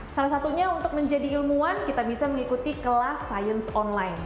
salah satunya untuk menjadi ilmuwan kita bisa mengikuti kelas sains online